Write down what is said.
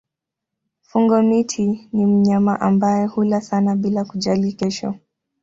Fungo-miti ni mnyama ambaye hula sana bila kujali kesho.